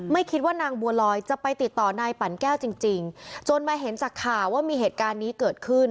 ไม่คิดว่านางบัวลอยจะไปติดต่อนายปั่นแก้วจริงจริงจนมาเห็นจากข่าวว่ามีเหตุการณ์นี้เกิดขึ้น